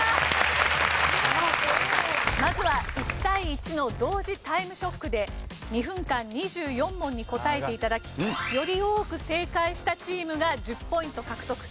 まずは１対１の同時タイムショックで２分間２４問に答えて頂きより多く正解したチームが１０ポイント獲得。